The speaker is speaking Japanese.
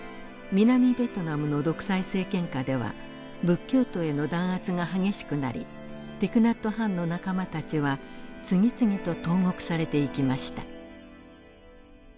南ベトナムの独裁政権下では仏教徒への弾圧が激しくなりティク・ナット・ハンの仲間たちは次々と投獄されていきました。